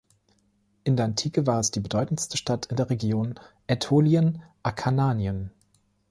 In der Antike war es die bedeutendste Stadt der Region Ätolien-Akarnanien.